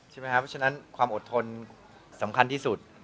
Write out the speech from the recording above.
ใช่ไหมครับเพราะฉะนั้นความอดทนสำคัญที่สุด